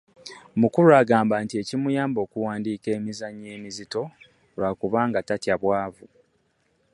Mukulu agamba nti ekimuyamba okuwandiika emizannyo emizito, lwakubanga tatya bwavu.